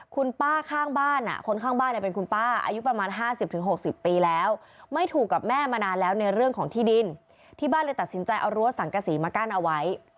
คุณป้าข้างบ้านคนข้างบ้านเนี่ยเป็นคุณป้าอายุประมาณ๕๐๖๐ปีแล้วไม่ถูกกับแม่มานานแล้วในเรื่องของที่ดินที่บ้านเลยตัดสินใจเอารั้วสังกษีมากั้นเอาไว้